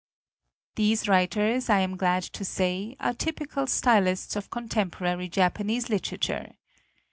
These writers, I am glad to say, are typical stylists of contemporary Jap anese literature.